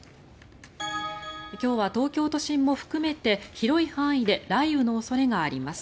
今日は東京都心も含めて広い範囲で雷雨の恐れがあります。